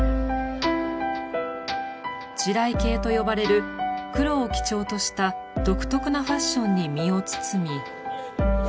「地雷系」と呼ばれる黒を基調とした独特なファッションに身を包み。